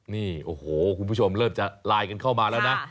นี่โอ้โหคุณผู้ชมเริ่มจะไลน์กันเข้ามาแล้วนะ